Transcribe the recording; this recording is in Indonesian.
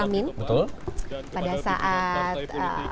amin pada saat